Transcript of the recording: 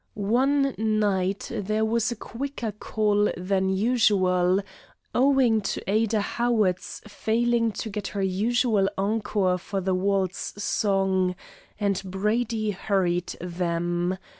One night there was a quicker call than usual, owing to Ada Howard's failing to get her usual encore for her waltz song, and Brady hurried them.